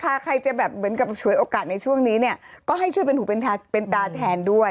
ถ้าใครจะแบบเหมือนกับฉวยโอกาสในช่วงนี้เนี่ยก็ให้ช่วยเป็นหูเป็นตาแทนด้วย